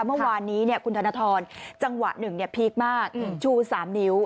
เมื่อวานนี้คุณธนทรจังหวะหนึ่งพีคมากชู๓นิ้ว